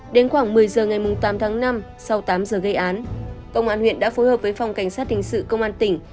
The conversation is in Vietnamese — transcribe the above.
đến khoảng một mươi giờ ngày tám tháng năm sau tám giờ gây án công an huyện đã phối hợp với phòng cảnh sát hình sự công an tỉnh